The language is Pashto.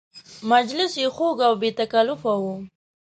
مجلس یې خوږ او بې تکلفه و.